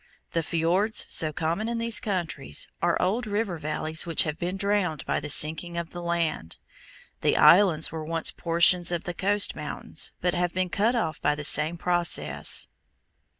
The fiords, so common in these countries, are old river valleys which have been drowned by the sinking of the land. The islands were once portions of the coast mountains, but have been cut off by the same process.